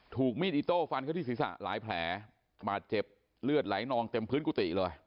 ถูกมีดอิโต้ฟันเขาที่ศีรษะหลายแผลบาดเจ็บเลือดไหลนองเต็มพื้นกุฏิเลย